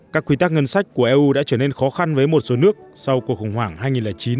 các quy tắc ngân sách của eu đã trở nên khó khăn với một số nước sau cuộc khủng hoảng hai nghìn chín